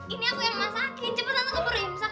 ini aku yang masakin cepet aku perimsak